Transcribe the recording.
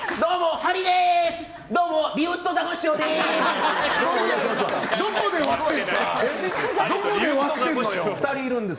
ハリです！